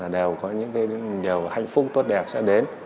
đều có những điều hạnh phúc tốt đẹp sẽ đến